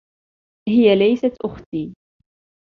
هىَ ليست أختي.